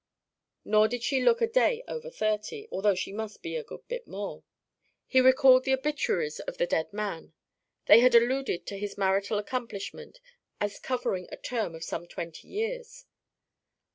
Nor did she look a day over thirty, although she must be a good bit more he recalled the obituaries of the dead man: they had alluded to his marital accomplishment as covering a term of some twenty years.